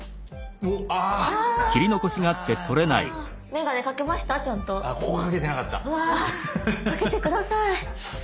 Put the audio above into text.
うわかけて下さい。